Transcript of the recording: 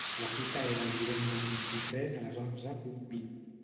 La cita era el divendres vint-i-tres a les onze punt vint.